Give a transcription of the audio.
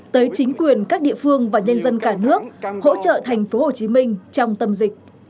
tới chính quyền các địa phương và nhân dân cả nước hỗ trợ thành phố hồ chí minh trong tâm dịch